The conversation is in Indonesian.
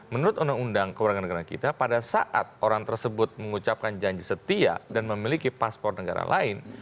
menurut undang undang kewarganegaraan kita pada saat orang tersebut mengucapkan janji setia dan memiliki paspor negara lain